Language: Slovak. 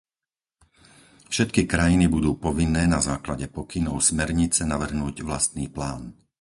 Všetky krajiny budú povinné na základe pokynov smernice navrhnúť vlastný plán.